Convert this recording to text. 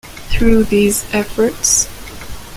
Through these efforts.